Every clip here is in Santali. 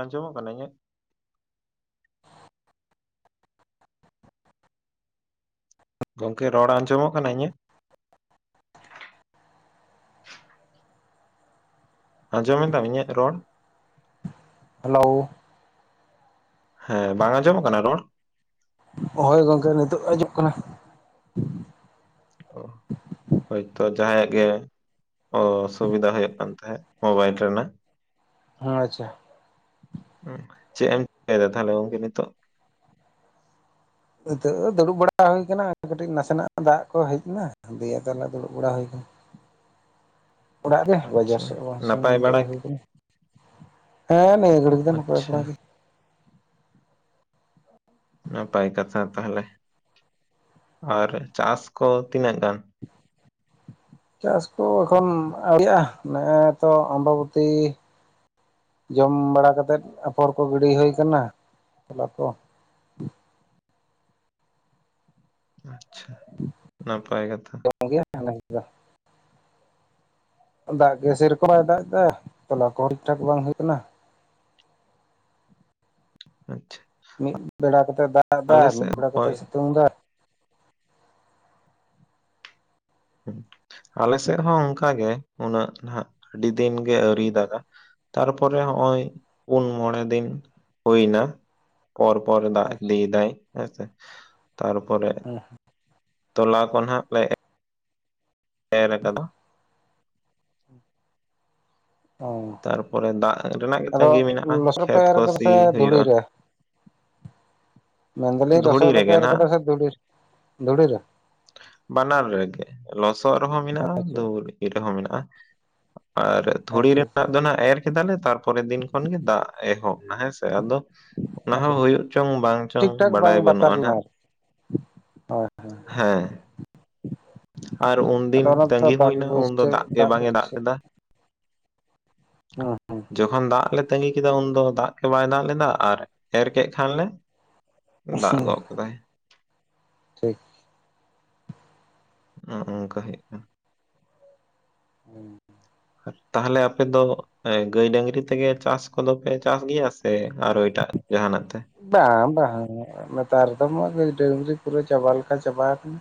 ᱟᱸᱡᱚᱢᱚᱜ ᱠᱟᱱᱟ ᱤᱧᱟᱹᱜ? ᱜᱚᱝᱠᱮ ᱨᱚᱲ ᱟᱸᱡᱚᱢᱚᱜ ᱠᱟᱱᱟ ᱤᱧᱟᱹᱜ? ᱟᱸᱡᱚᱢᱮᱫᱟᱢ ᱤᱧᱟᱹᱜ ᱨᱚᱲ? ᱦᱮᱞᱳ, ᱦᱮᱸ ᱵᱟᱝ ᱟᱸᱡᱚᱢᱚᱜ ᱠᱟᱱᱟ ᱨᱚᱲ? ᱦᱳᱭ ᱜᱚᱝᱠᱮ ᱱᱤᱛᱳᱜ ᱫᱚ ᱟᱸᱡᱚᱢᱚᱜ ᱠᱟᱱᱟ᱾ ᱚ ᱦᱳᱭᱛᱳ, ᱡᱟᱦᱟᱸᱭᱟᱜ ᱜᱮ ᱚ ᱥᱩᱵᱤᱫᱷᱟ ᱦᱩᱭᱩᱜ ᱠᱟᱱ ᱛᱟᱦᱮᱸᱫ ᱢᱳᱵᱟᱭᱤᱞ ᱨᱮᱱᱟᱜ ᱦᱮᱸ ᱟᱪᱪᱷᱟ, ᱪᱮᱫ ᱮᱢ ᱪᱤᱠᱟᱹᱭ ᱫᱟ ᱛᱟᱦᱚᱞᱮ ᱜᱚᱢᱠᱮ ᱱᱤᱛᱚᱜ? ᱱᱤᱛᱚᱜ ᱫᱚ ᱫᱩᱲᱩᱵ ᱵᱟᱲᱟ ᱦᱩᱭ ᱟᱠᱟᱱᱟ, ᱠᱟᱹᱴᱤᱡ ᱱᱟᱥᱮᱱᱟᱜ ᱫᱟᱜ ᱠᱚ ᱦᱮᱡ ᱮᱱᱟ᱾ ᱫᱤᱭᱮ ᱛᱟᱦᱞᱮ ᱫᱩᱲᱩᱵ ᱵᱟᱲᱟ ᱦᱩᱭ ᱟᱠᱟᱱᱟ ᱾ [inaudible] ᱚᱲᱟᱜ ᱨᱮ, ᱵᱟᱡᱟᱨ ᱟᱪᱪᱷᱟ ᱥᱮᱫ ᱦᱚᱸ ᱵᱟᱝ ᱱᱟᱯᱟᱭ ᱥᱮᱱ ᱵᱟᱲᱟ ᱫᱟᱲᱮ ᱜᱮ? ᱦᱩᱭ ᱠᱟᱱᱟ᱾ ᱦᱮᱸ ᱱᱤᱭᱟᱹ ᱜᱷᱟᱹᱲᱤᱡ ᱫᱚ ᱱᱟᱯᱟᱭ ᱟᱪᱪᱷᱟ ᱵᱟᱲᱟ ᱜᱮ ᱾ ᱱᱟᱯᱟᱭ ᱠᱟᱛᱷᱟ ᱛᱟᱦᱚᱞᱮ, ᱟᱨ ᱪᱟᱥ ᱠᱚ ᱛᱤᱱᱟᱹᱜ ᱜᱟᱱ? [inaudible] ᱪᱟᱥ ᱠᱚ ᱮᱠᱷᱚᱱ ᱟᱹᱣᱨᱤᱭᱟᱜᱼᱟ, ᱱᱮᱜᱼᱮ ᱛᱚ ᱟᱢᱵᱟᱵᱚᱛᱤ ᱡᱚᱢ ᱵᱟᱲᱟ ᱠᱟᱛᱮᱫ ᱟᱯᱷᱚᱨ ᱠᱚ ᱜᱤᱲᱤ ᱦᱩᱭ ᱠᱟᱱᱟ ᱛᱚᱞᱟ ᱠᱚ᱾ ᱟᱪᱪᱷᱟ ᱱᱟᱯᱟᱭ ᱠᱟᱛᱷᱟ᱾ [unintelligible] ᱫᱟᱜ ᱜᱮ ᱥᱮᱨᱚᱠᱚ ᱵᱟᱭ ᱫᱟᱜ ᱫᱟ, ᱛᱚᱞᱟ ᱠᱚ ᱴᱷᱤᱠ ᱴᱷᱟᱠ ᱵᱟᱝ ᱦᱩᱭ ᱠᱟᱱᱟ, ᱟᱪᱪᱷᱟ᱾ ᱢᱤᱫ ᱵᱮᱲᱟ ᱠᱟᱛᱮ ᱫᱟᱜ ᱟᱞᱮ ᱮᱫᱟᱭ, ᱢᱤᱫ ᱥᱮᱫ ᱵᱮᱲᱟ ᱠᱟᱛᱮᱫ ᱦᱚᱸᱜᱼᱚᱭ ᱥᱤᱛᱩᱝ ᱫᱟ ᱦᱮᱸ ᱟᱞᱮ ᱥᱮᱫ ᱦᱚᱸ ᱚᱱᱠᱟ ᱜᱮ ᱩᱱᱟᱹᱜ ᱱᱟᱦᱟᱸᱜ ᱟᱹᱰᱤ ᱫᱤᱱ ᱜᱮ ᱟᱹᱨᱤᱭ ᱫᱟᱜᱟ᱾ ᱛᱟᱨ ᱯᱚᱨᱮ ᱦᱚᱸᱜ-ᱚᱭ ᱯᱩᱱ ᱢᱚᱬᱮ ᱫᱤᱱ ᱦᱩᱭ ᱱᱟ᱾ ᱯᱚᱨᱻᱯᱚᱨᱮ ᱫᱟᱜ ᱤᱫᱤ ᱟᱪᱪᱷᱟ ᱫᱟᱭ ᱦᱮᱸᱥᱮ ᱛᱟᱨ ᱯᱚᱨᱮ ᱦᱮᱸ᱾ ᱛᱚᱞᱟ ᱠᱚ ᱱᱟᱸᱜ ᱞᱮ ᱮᱨ ᱠᱟᱫᱟ᱾ ᱚ ᱛᱟᱨᱯᱚᱨᱮ ᱫᱟᱜ ᱨᱮᱱᱟᱜ ᱜᱮ ᱛᱟᱸᱜᱤ ᱟᱫᱚ ᱢᱮᱱᱟᱜᱼᱟ ᱞᱚᱥᱚᱫ ᱨᱮᱯᱮ ᱠᱷᱮᱛ ᱮᱨ ᱠᱚ ᱠᱟᱫᱟ ᱥᱤ ᱥᱮ ᱫᱷᱩᱲᱤ ᱦᱩᱭᱩᱜᱼᱟ᱾ ᱨᱮ? ᱢᱮᱱᱫᱟᱞᱤᱧ ᱫᱷᱩᱲᱤ ᱨᱚᱥᱚᱜ ᱨᱮᱜᱮ ᱨᱮᱯᱮ ᱮᱨ ᱱᱟᱦᱟᱜ ᱠᱟᱫᱟ ᱥᱮ ᱫᱷᱩᱲᱤ ᱫᱷᱩᱲᱤ ᱨᱮ? ᱵᱟᱱᱟᱨ ᱨᱮᱜᱮ ᱞᱚᱥᱚᱫ ᱨᱮᱦᱚᱸ ᱢᱮᱱᱟᱜᱼᱟ, ᱟᱪᱪᱷᱟ ᱫᱷᱩᱵᱲᱤ ᱤᱭᱟᱹ ᱨᱮᱦᱚᱸ ᱢᱮᱱᱟᱜᱼᱟ, ᱟᱨ ᱫᱷᱩᱲᱤ ᱟᱪᱪᱷᱟ ᱟᱪᱪᱷᱟ ᱨᱮᱱᱟᱜ ᱫᱚ ᱱᱟᱸᱜ ᱮᱨ ᱠᱮᱫᱟᱞᱮ ᱛᱟᱨᱯᱚᱨᱮ ᱫᱤᱱ ᱠᱷᱚᱱᱜᱮ ᱫᱟᱜ ᱮᱦᱚᱵ ᱱᱟ ᱦᱮᱸᱥᱮ? ᱟᱫᱚ ᱚᱱᱟ ᱦᱚᱸ ᱟᱪᱪᱷᱟ ᱦᱩᱭᱩᱜ ᱪᱚᱝ ᱵᱟᱝ ᱪᱚᱝ᱾ ᱴᱷᱤᱠ ᱴᱷᱟᱠ ᱵᱟᱝ ᱵᱟᱰᱟᱭ ᱵᱟᱛᱟᱨ ᱵᱟᱹᱱᱩᱜᱼᱟ ᱞᱮᱱᱟ ᱱᱟᱜ ᱟᱨᱠᱤ ᱦᱳᱭ ᱦᱳᱭ᱾ ᱦᱮᱸ ᱟᱨ ᱩᱱᱫᱤᱱ ᱚᱱᱟ ᱫᱚ ᱭᱟᱹᱜᱤ ᱫᱟᱜ ᱦᱩᱭᱱᱟ ᱩᱱᱫᱚ ᱵᱟᱹᱭᱥᱟᱹᱣ ᱫᱟᱜ ᱜᱮ ᱵᱟᱝ ᱮ ᱫᱟᱜ ᱵᱟᱹᱭᱥᱟᱹᱣ ᱞᱮᱫᱟ᱾ ᱦᱩᱸ ᱦᱩᱸ ᱡᱚᱠᱷᱚᱱ ᱫᱟᱜ ᱞᱮ ᱛᱟᱹᱜᱤ ᱠᱮᱫᱟ ᱩᱱᱫᱚ ᱫᱟᱜ ᱜᱮ ᱵᱟᱭ ᱫᱟᱜ ᱞᱮᱫᱟ, ᱟᱨ ᱮᱨ ᱠᱮᱫ ᱠᱷᱟᱱ ᱞᱮ ᱫᱟᱜ ᱦᱩᱸ ᱜᱚᱜ ᱠᱟᱫᱟᱭ᱾ ᱴᱷᱤᱠ᱾ ᱱᱚᱜᱼᱚᱝᱠᱟ ᱦᱩᱭᱩᱜ ᱠᱟᱱᱟ᱾ ᱦᱮᱸ ᱦᱮᱸ ᱛᱟᱞᱦᱞᱮ ᱟᱯᱮ ᱫᱚ ᱜᱟᱹᱭ ᱰᱟᱹᱝᱨᱤ ᱛᱮᱜᱮ ᱪᱟᱥ ᱠᱚᱫᱚᱯᱮ ᱪᱟᱥ ᱜᱮᱭᱟ ᱥᱮ ᱟᱨᱚ ᱮᱴᱟᱜ ᱡᱟᱦᱟᱸᱱᱟᱜ ᱛᱮ? ᱵᱟᱝ ᱵᱟᱝ ᱱᱮᱛᱟᱨ ᱫᱚᱢᱟ ᱰᱝᱨᱤ ᱯᱩᱨᱟᱹ ᱪᱟᱵᱟ ᱞᱮᱠᱟ ᱪᱟᱵᱟ ᱠᱟᱱᱟ᱾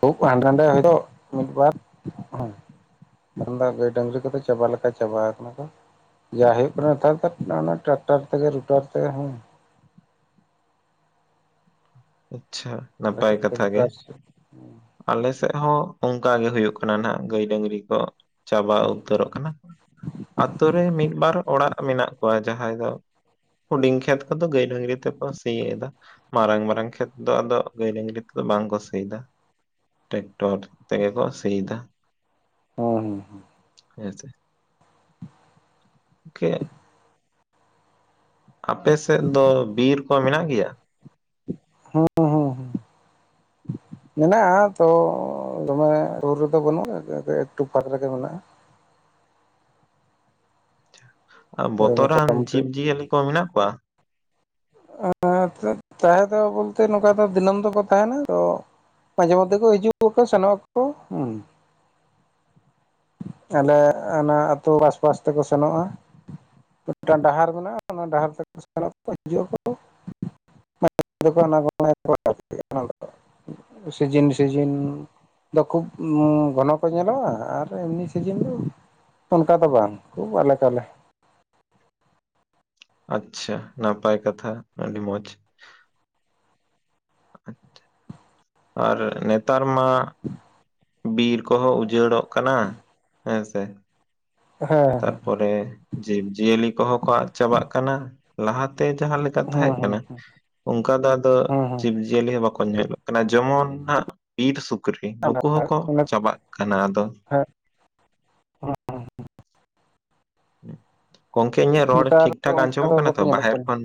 ᱠᱷᱩᱵ ᱦᱟᱸᱰᱮ ᱱᱟᱰᱮ ᱦᱚᱭᱛᱳ ᱢᱤᱫᱵᱟᱨ ᱦᱩᱸ᱾ ᱢᱮᱱᱫᱟ ᱜᱟᱹᱭ ᱰᱟᱝᱨᱤ ᱠᱚᱫᱚ ᱪᱟᱵᱟ ᱞᱮᱠᱟ ᱪᱟᱵᱟ ᱠᱟᱱᱟ ᱠᱚ᱾ ᱡᱟᱭ ᱦᱩᱭᱩᱜ ᱠᱟᱱᱟ ᱱᱮᱛᱟᱨ ᱚᱱᱟ ᱴᱨᱟᱠᱴᱟᱨ ᱛᱮᱜᱮ ᱨᱩᱴᱟᱨ ᱛᱮ ᱦᱩᱸ᱾ ᱟᱪᱪᱷᱟ ᱱᱟᱯᱟᱭ ᱠᱟᱛᱷᱟ ᱜᱮ᱾ ᱨᱩᱴᱟᱨ ᱦᱩᱸ ᱦᱩᱸ ᱟᱞᱮ ᱥᱮᱜ ᱦᱚᱸ ᱚᱱᱠᱟ ᱜᱮ ᱦᱩᱭᱩᱜ ᱠᱟᱱᱟ ᱱᱷᱟᱜ ᱜᱟᱹᱭ ᱰᱟᱹᱝᱨᱤ ᱠᱚ ᱪᱟᱵᱟ ᱩᱛᱟᱹᱨᱚᱜ ᱠᱟᱱᱟ ᱠᱚ᱾ ᱟᱛᱩ ᱨᱮ ᱢᱤᱫ ᱵᱟᱨ ᱚᱲᱟᱜ ᱢᱮᱱᱟᱜ ᱠᱚᱣᱟ, ᱡᱟᱦᱟᱸᱭ ᱫᱚ ᱦᱩᱰᱤᱧ ᱠᱷᱮᱛ ᱠᱚᱫᱚ ᱜᱟᱹᱭ ᱰᱟᱹᱝᱨᱤ ᱛᱮᱠᱚ ᱥᱤᱭᱫᱟ ᱢᱟᱨᱟᱝ ᱢᱟᱨᱟᱝ ᱠᱷᱮᱛ ᱫᱚ ᱟᱫᱚ ᱜᱟᱹᱭ ᱰᱟᱹᱝᱨᱤ ᱛᱮᱫᱚ ᱵᱟᱝ ᱠᱚ ᱥᱤᱭᱫᱟ᱾ ᱴᱮᱠᱴᱚᱨ ᱛᱮᱜᱮ ᱠᱚ ᱥᱤᱭᱫᱟ᱾ ᱦᱩᱸ ᱦᱩᱸ ᱦᱩᱸ᱾ ᱦᱮᱸᱥᱮ? ᱜᱚᱝᱠᱮ ᱟᱯᱮ ᱥᱮᱫ ᱫᱚ ᱵᱤᱨ ᱠᱚ ᱢᱮᱱᱟᱜ ᱜᱮᱭᱟ? ᱦᱩᱸ ᱦᱩᱸ ᱦᱩᱸ᱾ [unintelligible] ᱢᱮᱱᱟᱜᱼᱟ ᱛᱚ ᱫᱚᱢᱮ ᱨᱩ ᱨᱮᱫᱚ ᱵᱟᱹᱱᱩᱜᱼᱟ ᱮᱠᱴᱩ ᱯᱷᱟᱨᱟᱠ ᱨᱮᱜᱮ ᱢᱮᱱᱟᱜᱼᱟ ᱾ ᱟᱨ ᱳᱭ ᱵᱚᱛᱚᱨᱟᱱ ᱢᱚᱴᱟᱢᱩᱴᱤ ᱡᱤᱵᱽ ᱡᱤᱭᱟᱹᱞᱤ ᱠᱚ ᱢᱮᱱᱟᱜ ᱠᱚᱣᱟ? ᱛᱟᱦᱮᱸ ᱫᱚ ᱵᱚᱞᱛᱮ ᱱᱚᱝᱠᱟ ᱫᱚ ᱫᱤᱱᱟᱹᱢ ᱫᱚᱠᱚ ᱛᱟᱦᱮᱸᱱᱟ ᱛᱚ ᱢᱟᱡᱮ ᱢᱚᱫᱽᱫᱷᱮ ᱠᱚ ᱦᱤᱡᱩᱜ ᱟᱠᱚ ᱥᱮᱱᱚᱜ ᱟᱠᱚ, ᱦᱩᱸ ᱾ ᱟᱞᱮ ᱚᱱᱟ ᱟᱹᱛᱩ ᱵᱟᱥᱼᱵᱟᱥ ᱛᱮᱠᱚ ᱥᱮᱱᱚᱜᱼᱟ ᱾ ᱢᱤᱫᱴᱟᱝ ᱰᱟᱦᱟᱨ ᱢᱮᱱᱟᱜᱼᱟ ᱚᱱᱟ ᱰᱟᱦᱟᱨ ᱛᱮᱠᱚ ᱥᱮᱱᱚᱜ ᱟᱠᱚ ᱦᱤᱡᱩᱜ ᱟᱠᱚ ᱾ [unintelligible] ᱥᱤᱡᱤᱱ ᱥᱤᱡᱤᱱ ᱫᱚ ᱠᱷᱩᱵ ᱩᱸ ᱜᱷᱚᱱᱚ ᱠᱚ ᱧᱮᱞᱟ ᱟᱨ ᱮᱢᱱᱤ ᱥᱤᱡᱤᱱ ᱫᱚ ᱚᱱᱠᱟ ᱫᱚ ᱵᱟᱝ ᱠᱷᱩᱵ ᱟᱞᱮᱠᱟᱞᱮ ᱾ ᱟᱪᱪᱷᱟ ᱱᱟᱯᱟᱭ ᱠᱟᱛᱷᱟ ᱟᱹᱰᱤ ᱢᱚᱸᱡᱽ ᱾ ᱟᱨ ᱱᱮᱛᱟᱨ ᱢᱟ ᱵᱤᱨ ᱠᱚᱦᱚᱸ ᱩᱡᱟᱹᱲᱚᱜ ᱠᱟᱱᱟ ᱦᱮᱸᱥᱮ ᱾ ᱦᱮᱸ ᱦᱮᱸ ᱾ ᱯᱚᱨᱮ ᱡᱤᱵᱽ ᱡᱤᱭᱟᱹᱞᱤ ᱠᱚᱦᱚᱸ ᱠᱚ ᱟᱫ ᱪᱟᱵᱟᱜ ᱠᱟᱱᱟ ᱾ ᱞᱟᱦᱟᱛᱮ ᱡᱟᱦᱟᱸ ᱞᱮᱠᱟ ᱦᱩᱸ ᱛᱟᱦᱮᱸᱜ ᱦᱩᱸ ᱠᱟᱱᱟ, ᱦᱩᱸ ᱚᱝᱠᱟ ᱫᱚ ᱟᱫᱚ ᱦᱩᱸ ᱦᱩᱸ ᱡᱤᱵᱽᱡᱤᱭᱟᱹᱞᱤ ᱦᱚᱸ ᱵᱟᱠᱚ ᱧᱚᱜ ᱠᱟᱱᱟ, ᱡᱮᱢᱚᱱ ᱵᱤᱨ ᱥᱩᱠᱨᱤ ᱱᱩᱠᱩ ᱦᱚᱸᱠᱚ ᱪᱟᱵᱟᱜ ᱠᱟᱱᱟ ᱟᱫᱚ ᱠᱚᱝᱠᱮ ᱤᱧᱟᱹᱜ ᱨᱚᱲ ᱱᱮᱛᱟᱨ ᱴᱷᱤᱠᱴᱷᱟᱠ ᱚᱱᱠᱟ ᱟᱸᱡᱚᱢᱚᱜ ᱫᱚ ᱠᱟᱱᱟ ᱵᱟᱠᱚ ᱛᱚ ᱧᱮᱞᱚᱜ ᱵᱟᱦᱮᱨ ᱠᱟᱱᱟ ᱠᱷᱚᱱ?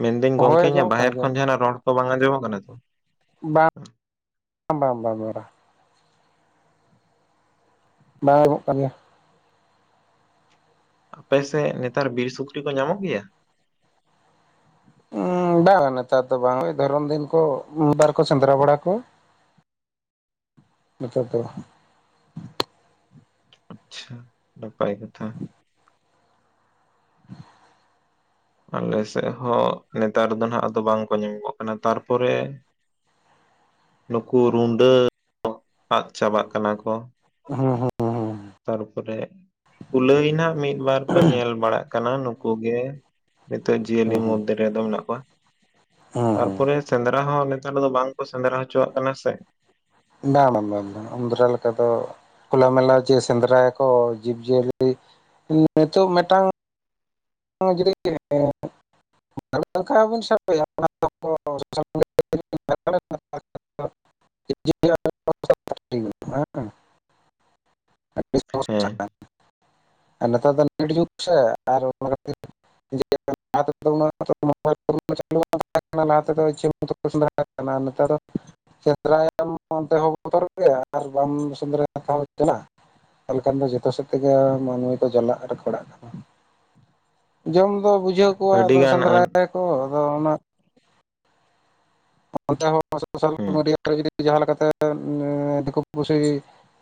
ᱢᱮᱱᱫᱟᱹᱧ ᱦᱳᱭ ᱜᱚᱝᱠᱮ ᱤᱧᱟᱹᱜ ᱟᱸᱡᱚᱢᱚᱜ ᱠᱟᱱᱟ ᱵᱟᱦᱮᱨ ᱟᱸᱡᱚᱢᱚᱜ ᱠᱷᱚᱱ ᱡᱟᱦᱟᱱᱟᱜ ᱨᱚᱲ ᱠᱚ ᱵᱟᱝ ᱟᱸᱡᱚᱢᱚᱜ ᱠᱟᱱᱟ ᱛᱚ? ᱵᱟᱝ ᱵᱟᱝ ᱵᱟᱝ ᱵᱟᱝ ᱾ ᱵᱟᱝ ᱟᱸᱡᱚᱢᱚᱜ ᱠᱟᱱ ᱜᱮᱭᱟ ᱾ ᱟᱯᱮᱥᱮᱫ ᱱᱮᱛᱟᱨ ᱵᱤᱨ ᱥᱩᱠᱨᱤ ᱠᱚ ᱧᱟᱢᱚᱜ ᱜᱮᱭᱟ? ᱩᱸᱻ ᱵᱟ ᱵᱟ ᱱᱮᱛᱟᱨ ᱫᱚ ᱵᱟᱝ ᱳᱭ ᱫᱷᱚᱨᱚᱱ ᱫᱤᱱ ᱠᱚ ᱢᱤᱜ ᱵᱟᱨ ᱠᱚ ᱥᱮᱸᱫᱽᱨᱟ ᱵᱟᱲᱟ ᱠᱚᱣᱟ ᱾ ᱱᱮᱛᱟᱨ ᱫᱚ ᱵᱟᱝ ᱾ ᱟᱪᱪᱷᱟ, ᱱᱟᱯᱟᱭ ᱠᱟᱛᱷᱟ ᱾ [inaudible] ᱟᱞᱮ ᱥᱮᱜ ᱦᱚᱸ ᱱᱮᱛᱟᱨ ᱫᱚ ᱱᱟᱜ ᱟᱫᱚ ᱵᱟᱝᱠᱚ ᱧᱟᱢ ᱠᱚᱜ ᱠᱟᱱᱟ, ᱛᱟᱨᱯᱚᱨᱮ ᱱᱩᱠᱩ ᱨᱩᱰᱟᱹ ᱟᱫ ᱪᱟᱵᱟᱜ ᱠᱟᱱᱟ ᱠᱚ ᱾ ᱦᱮᱸ ᱦᱮᱸ ᱾ ᱛᱟᱨᱯᱚᱨᱮ ᱠᱩᱞᱟᱹᱭ ᱱᱟᱜ ᱢᱤᱫ ᱵᱟᱨ ᱠᱚ ᱧᱮᱞ ᱵᱟᱲᱟᱜ ᱠᱟᱱᱟ ᱱᱩᱠᱩ ᱜᱮ ᱱᱤᱛᱚᱜ ᱡᱤᱭᱟᱹᱞᱤ ᱦᱩᱸ ᱦᱩᱸ ᱢᱚᱫᱽᱫᱷᱮ ᱨᱮᱫᱚ ᱢᱮᱱᱟᱜ ᱠᱚᱣᱟ ᱾ ᱦᱩᱸ ᱦᱩᱸ ᱛᱟᱨᱯᱚᱨᱮ ᱥᱮᱸᱫᱽᱨᱟ ᱦᱚᱸ ᱱᱮᱛᱟᱨ ᱫᱚ ᱵᱟᱝ ᱠᱚ ᱥᱮᱸᱫᱽᱨᱟ ᱦᱚᱪᱚᱣᱟᱜ ᱠᱟᱱᱟ ᱥᱮ ᱾ ᱵᱟᱝ ᱵᱟᱝ ᱵᱟᱝ ᱵᱟᱝ, ᱩᱸᱫᱽᱨᱟ ᱞᱮᱠᱟ ᱫᱚ ᱠᱷᱳᱞᱟ ᱢᱮᱞᱟ ᱪᱮ ᱥᱮᱸᱫᱽᱨᱟᱭᱟᱠᱚ ᱡᱤᱵᱽ ᱡᱤᱭᱟᱹᱞᱤ ᱱᱤᱛᱚᱜ ᱢᱤᱫᱴᱟᱝ ᱡᱩᱫᱤ [unintelligible] ᱵᱚᱱ ᱥᱟᱵᱮᱭᱟ [unintelligible] [unintelligible] [unintelligible] ᱦᱮᱸ ᱾ ᱟᱹᱰᱤ ᱦᱮᱸ [unintelligible] ᱟᱨ ᱱᱮᱛᱟᱨ ᱫᱚ ᱱᱮᱛ ᱡᱩᱜ ᱥᱮ ᱟᱨ ᱚᱱᱟ ᱠᱷᱟᱹᱛᱤᱨ ᱡᱮ ᱞᱟᱦᱟᱛᱮᱫᱚ ᱩᱸᱱᱟᱹᱜ ᱫᱚ ᱢᱳᱵᱟᱭᱤᱞ [unintelligible] ᱪᱟᱹᱞᱩ ᱵᱟᱝ ᱛᱟᱸᱦᱮ ᱞᱟᱦᱟ ᱛᱮᱫᱚ ᱤᱪᱽᱪᱷᱟᱹ ᱢᱚᱛᱚ ᱠᱚ ᱥᱮᱸᱫᱽᱨᱟᱭᱮᱜ ᱠᱟᱱᱟ, ᱱᱮᱛᱟᱨ ᱫᱚ ᱥᱮᱸᱫᱽᱨᱟᱭᱟᱢ ᱚᱱᱛᱮ ᱦᱚᱸ ᱵᱚᱛᱚᱨ ᱜᱮᱭᱟ ᱟᱨ ᱵᱟᱢ ᱥᱮᱸᱫᱽᱨᱟᱭ ᱛᱮᱦᱚᱸ ᱡᱟᱞᱟ ᱾ ᱛᱟᱦᱚᱞᱮ ᱠᱷᱟᱱ ᱫᱚ ᱡᱚᱛᱚ ᱥᱮᱫ ᱛᱮᱜᱮ ᱢᱟᱹᱱᱢᱤ ᱠᱚ ᱡᱟᱞᱟᱜ ᱨᱮ ᱯᱟᱲᱟᱜ ᱠᱟᱱᱟ ᱾ ᱡᱚᱢ ᱫᱚ ᱵᱩᱡᱷᱟᱹᱣ ᱠᱚᱣᱟ ᱟᱫᱚ ᱟᱹᱰᱤᱜᱟᱱ ᱟᱹᱱ ᱥᱮᱸᱫᱽᱨᱟᱭᱟᱠᱚ ᱟᱫᱚ ᱚᱱᱟ ᱚᱱᱛᱮ ᱦᱚᱸ ᱥᱳᱥᱟᱞ ᱦᱩᱸ ᱢᱤᱰᱤᱭᱟ ᱨᱮ ᱡᱩᱫᱤ ᱡᱟᱦᱟᱸ ᱞᱮᱠᱟᱛᱮ ᱱᱮᱻ ᱫᱤᱠᱩ ᱯᱩᱥᱤ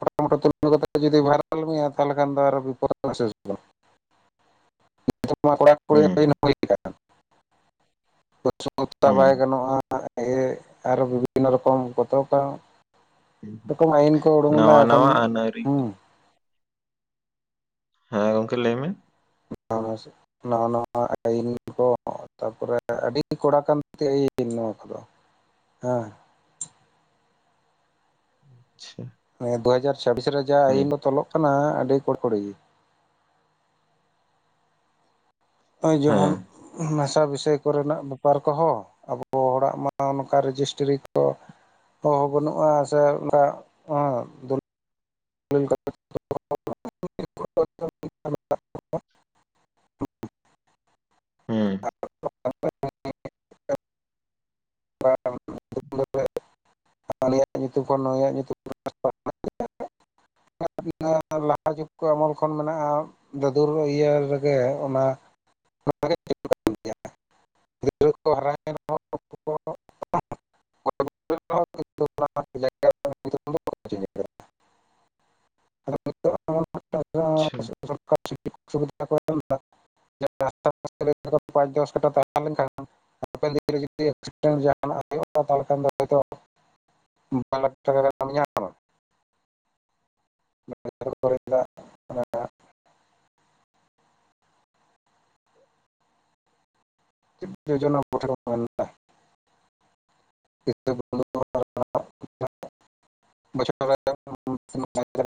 ᱯᱷᱚᱴᱚ ᱢᱚᱴᱚ ᱛᱩᱞᱟᱹ ᱠᱟᱛᱮ ᱡᱩᱫᱤ ᱵᱷᱟᱭᱨᱟᱞ ᱢᱮᱭᱟ ᱛᱟᱦᱚᱞᱮ ᱠᱷᱟᱱ ᱫᱚ ᱟᱨᱚ ᱵᱤᱯᱚᱫ ᱨᱮᱱᱟᱜ ᱥᱮᱫ ᱵᱟᱹᱱᱩᱜᱼᱟ! [inaudible] ᱦᱩᱸ [unintelligible] [unintelligible] ᱪᱮᱫᱟᱜ ᱵᱟᱭ ᱦᱩᱸ ᱜᱟᱱᱚᱜᱼᱟ ᱟᱨ ᱤᱭᱟᱹ ᱟᱨᱚ ᱵᱤᱵᱷᱤᱱᱱᱚ ᱨᱚᱠᱚᱢ ᱠᱚᱛᱚᱠᱚᱢ [unintelligible] ᱠᱚ ᱩᱰᱩᱝ ᱫᱟ ᱱᱟᱣᱟ ᱮᱠᱷᱚᱱ ᱱᱟᱣᱟ ᱟᱹᱱ ᱟᱹᱨᱤ ᱦᱩᱸ ᱦᱮᱸ ᱜᱚᱢᱠᱮ ᱞᱟᱹᱭ ᱢᱮ? [unintelligible] ᱱᱟᱣᱟ ᱱᱟᱣᱟ ᱟᱭᱭᱤᱱ ᱠᱚ ᱛᱟᱯᱚᱨᱮ ᱟᱹᱰᱤ ᱠᱚᱲᱟ ᱠᱟᱱ ᱟᱹ ᱟᱭᱤᱱ ᱱᱚᱣᱟ ᱠᱚᱫᱚ ᱦᱮᱸ ᱟᱪᱪᱷᱟ ᱬᱤᱭᱟᱹ ᱫᱩᱦᱟᱡᱟᱨ ᱪᱷᱟᱵᱤᱥ ᱨᱮ ᱡᱟ ᱦᱩᱸ ᱟᱭᱭᱤᱱ ᱫᱚ ᱛᱚᱞᱚᱜ ᱠᱟᱱᱟ ᱟᱹᱰᱤ ᱠᱚᱴᱠᱚᱲᱤ ᱱᱚᱜᱚᱭ ᱡᱮᱢᱚᱱ ᱦᱮᱸ ᱢᱮᱥᱟ ᱵᱤᱥᱚᱭ ᱠᱚᱨᱮᱱᱟᱜ ᱯᱮᱯᱟᱨ ᱠᱚᱦᱚᱸ ᱟᱵᱚ ᱦᱚᱲᱟᱜ ᱢᱟ ᱱᱚᱝᱠᱟ ᱨᱮᱡᱤᱥᱴᱨᱤ ᱠᱚ ᱠᱚ ᱦᱚᱸ ᱵᱟᱹᱱᱩᱜᱼᱟ ᱥᱮ ᱚᱱᱠᱟ [unintelligible] [unintelligible] ᱦᱮᱸ [unintelligible] ᱦᱟᱱᱤᱭᱟᱜ ᱧᱩᱛᱩᱢ ᱠᱷᱚᱱ ᱱᱩᱤᱭᱭᱟᱜ ᱧᱩᱛᱩᱢ [unintelligible] ᱞᱟᱦᱟ ᱡᱩᱜᱽ ᱠᱚ ᱟᱢᱚᱞ ᱠᱷᱚᱱ ᱢᱮᱱᱟᱜᱼᱟ ᱫᱟᱫᱩᱨ ᱤᱭᱟᱹ ᱨᱮᱜᱮ ᱚᱱᱟ [inaudible] ᱜᱤᱫᱽᱨᱟᱹ ᱠᱚ ᱦᱟᱨᱟᱭᱮᱱ ᱨᱮᱦᱚᱸ ᱩᱱᱠᱩ ᱦᱚᱸ [unintelligible] [unintelligible] [unintelligible] [unintelligible] ᱯᱟᱸᱪ ᱫᱚᱥ ᱠᱟᱴᱷᱟ ᱛᱟᱦᱮᱸ ᱞᱮᱱᱠᱷᱟᱱ ᱦᱟᱯᱮᱱ ᱫᱤᱱ ᱨᱮ ᱡᱩᱫᱤ ᱮᱠᱥᱤᱰᱮᱱᱴ ᱡᱟᱦᱱᱟᱜ ᱦᱩᱭᱩᱜᱼᱟ ᱛᱟᱦᱚᱞᱮ ᱠᱷᱟᱱ ᱫᱚ ᱦᱚᱭᱛᱚ ᱵᱟᱨᱞᱟᱠ ᱴᱟᱠᱟ ᱜᱟᱱᱮᱢ ᱧᱟᱢᱟ [unintelligible] ᱡᱳᱡᱱᱟ ᱵᱴᱷᱮ ᱠᱚ ᱢᱮᱱᱫᱟ [unintelligible] [unintelligible]